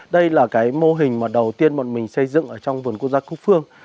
đây là mô hình đầu tiên mình xây dựng trong vườn quốc gia quốc phương